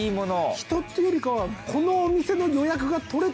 人っていうよりかは。